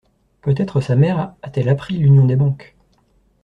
Peut-être sa mère a-t-elle appris l'union des banques.